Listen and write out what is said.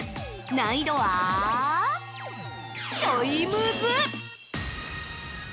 難易度はちょいムズ！